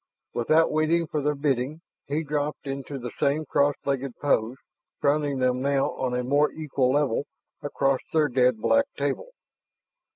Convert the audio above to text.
Without waiting for their bidding, he dropped into the same cross legged pose, fronting them now on a more equal level across their dead black table.